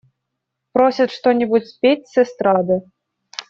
Просят что-нибудь спеть с эстрады.